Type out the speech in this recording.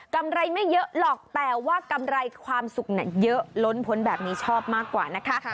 กำไรไม่เยอะหรอกแต่ว่ากำไรความสุขเยอะล้นพ้นแบบนี้ชอบมากกว่านะคะ